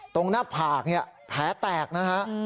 ตรงหน้าผ่าเนี่ยแผต์แตกนะฮะ